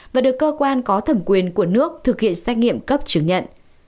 và được cơ quan có thẩm quyền của nước thực hiện xét nghiệm cấp chứng nhận